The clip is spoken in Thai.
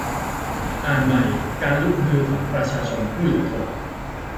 อ่านใหม่ การลุกฮือของประชาชนผู้เหลือทน